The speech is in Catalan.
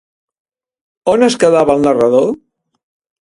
On es quedava el narrador?